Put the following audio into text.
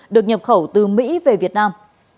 được nhập khẩu từ mỹ về việt nam